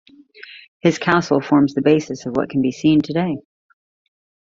His castle forms the basis of what can be seen today.